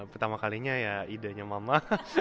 pertama kalinya ya idenya mama